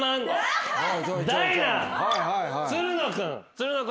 つるの君。